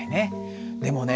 でもね